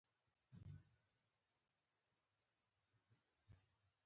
دا په ځانګړې توګه په هغو سیمو کې وه چې پر مریتوب تکیه وه.